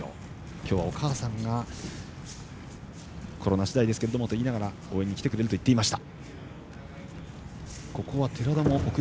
今日はお母さんがコロナ次第と言いながら応援に来てくれると言ってました。